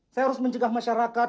saya harus mencegah masyarakat